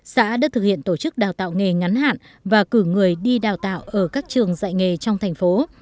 xã đã thực hiện tổ chức đào tạo nghề ngắn hạn và cử người đi đào tạo ở các trường dạy nghề trong thành phố